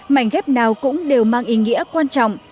mảnh ghép nào cũng đều mang ý nghĩa quan trọng